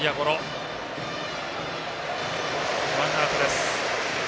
ワンアウトです。